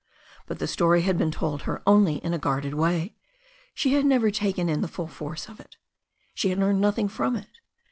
But the story had been told her only in a guarded way. She had never taken in the full force o{ it She had learned nothing from it.